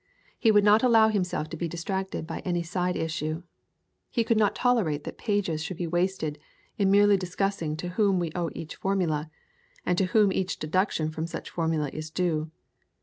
He would not allow himself to be distracted by any side issue. He could not tolerate that pages should be wasted in merely discussing to whom we owe each formula, and to whom each deduction from such formula is due.